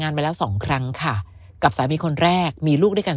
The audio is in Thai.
มาแล้วสองครั้งค่ะกับสามีคนแรกมีลูกด้วยกัน